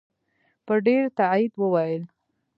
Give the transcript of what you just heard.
په ډېر تاءکید وویل.